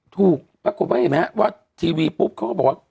ถูกปรากฎไว้เห็นไหมว่าทีวีปุ๊บเค้าบอกว่า